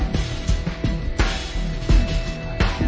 ไม่ได้ไม่ได้